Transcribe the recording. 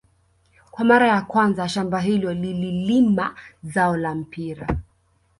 Kwa mara ya kwanza shamba hilo lililima zao la mpira